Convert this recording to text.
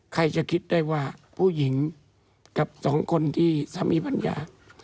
ใครจะคิดได้ว่าผู้หญิงกับสองคนที่สามีภรรยา